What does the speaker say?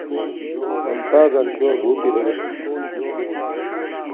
ممتݳزَن شݸر بُݸت اِرݵگݳ چھݳ.